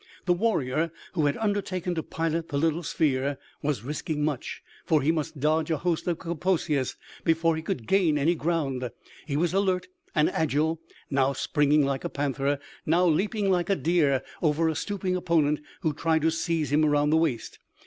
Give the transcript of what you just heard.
The warrior who had undertaken to pilot the little sphere was risking much, for he must dodge a host of Kaposias before he could gain any ground. He was alert and agile; now springing like a panther, now leaping like a deer over a stooping opponent who tried to seize him around the waist.